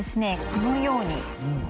このように。